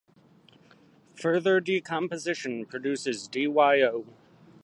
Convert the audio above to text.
Further decomposition produces DyO.